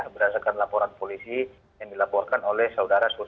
berdasarkan laporan polisi yang dilaporkan oleh saudara saudara